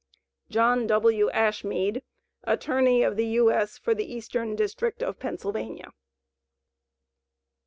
JOHN W. ASHMEAD, Attorney of the U.S. for the Eastern District of Pennsylvania.